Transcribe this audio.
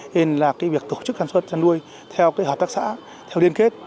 nên là cái việc tổ chức sản xuất chăn nuôi theo cái hợp tác xã theo liên kết